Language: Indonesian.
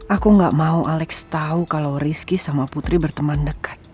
aku gak mau alex tahu kalau rizky sama putri berteman dekat